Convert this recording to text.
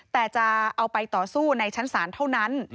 แต่จะเอาไปต่อสู้ในชั้นศาลเท่านั้น